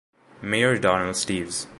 Mayor Donald Steeves.